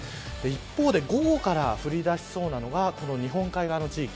一方で午後から降りだしそうなのがこの日本海側の地域。